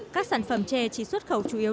các sản phẩm trè chỉ xuất khẩu chủ yếu